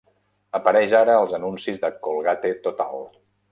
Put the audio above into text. Apareix ara als anuncis de Colgate Total.